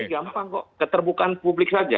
gampang kok keterbukaan publik saja